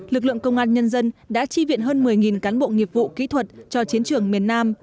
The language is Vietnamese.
lực lượng công an nhân dân đã chi viện hơn một mươi cán bộ nghiệp vụ kỹ thuật cho chiến trường miền nam